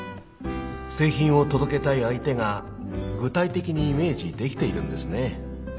製品を届けたい相手が具体的にイメージできているんですね。